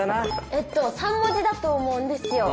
えっと３文字だと思うんですよ。